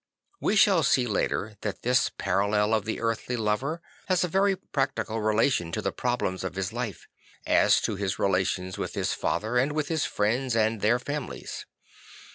We shall see later that this parallel of the earthly lover has a very practical relation to the problems of his life, as to his relations with his father and with his friends and their families.